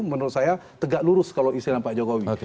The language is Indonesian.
menurut saya tegak lurus kalau istilah pak jokowi